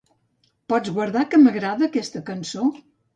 Pots guardar que m'agrada aquesta cançó?